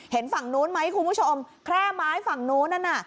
ฝั่งนู้นไหมคุณผู้ชมแคร่ไม้ฝั่งนู้นนั่นน่ะ